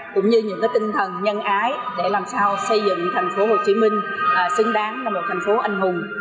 cũng như những tinh thần nhân ái để làm sao xây dựng thành phố hồ chí minh xứng đáng là một thành phố anh hùng